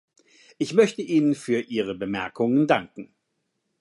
Ich möchte Ihnen für Ihre Bemerkungen danken.